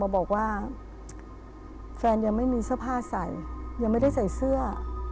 บอกว่าแฟนยังไม่มีเสื้อผ้าใส่ยังไม่ได้ใส่เสื้อ